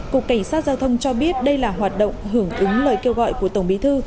cục cảnh sát giao thông cho biết đây là hoạt động hưởng ứng lời kêu gọi của tổng bí thư